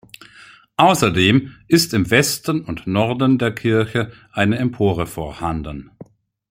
Außerdem ist im Westen und Norden der Kirche eine Empore vorhanden.